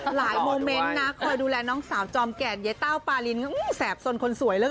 หลายโมเมนต์น้ะคอยดูแลน้องสาวจอมแก่นเย้เต้าปลารินแสบสนคนสวยละเกิด